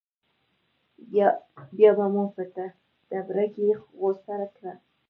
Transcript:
بیا به مو په تبرګي غوڅه کړه.